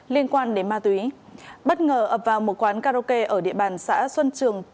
liên quan đến ma túy bất ngờ ập vào một quán karaoke ở địa bàn xã xuân trường